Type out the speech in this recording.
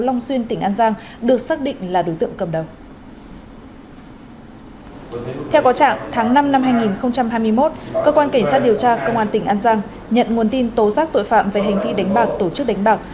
công an tỉnh an giang nhận nguồn tin tố giác tội phạm về hành vi đánh bạc tổ chức đánh bạc